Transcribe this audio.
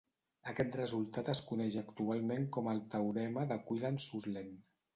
Aquest resultat es coneix actualment com el teorema de Quillen-Suslin.